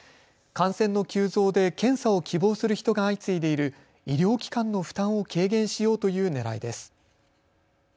感染の急増で検査を希望する人が相次いでいる医療機関の負担を軽減しようというねらいです。